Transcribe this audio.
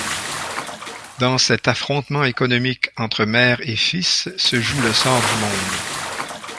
Dans cet affrontement économique entre mère et fils se joue le sort du monde.